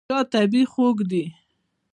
شات طبیعي خوږ دی.